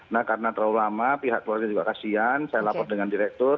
nah karena terlalu lama pihak keluarga juga kasihan saya lapor dengan direktur